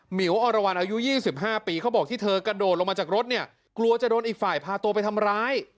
หิวอรวรรณอายุ๒๕ปีเขาบอกที่เธอกระโดดลงมาจากรถเนี่ยกลัวจะโดนอีกฝ่ายพาตัวไปทำร้าย